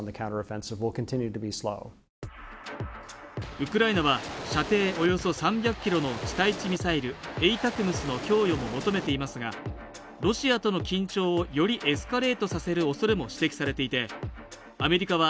ウクライナは射程およそ３００キロの地対地ミサイルＡＴＡＣＭＳの供与も求めていますがロシアとの緊張をよりエスカレートさせるおそれも指摘されていてアメリカは